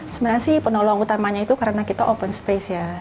sebenarnya sih penolong utamanya itu karena kita open space ya